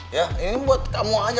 ya ini buat kamu aja